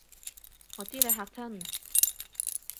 我知你嚇親